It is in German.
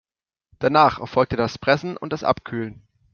Danach erfolgte das Pressen und das Abkühlen.